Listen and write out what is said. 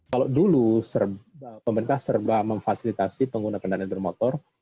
kalau dulu pemerintah serba memfasilitasi pengguna kendaraan bermotor